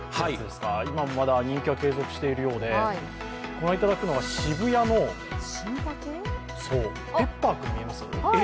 今もまだ人気が継続しているようでご覧いただくのが渋谷のＰｅｐｐｅｒ君、見えます？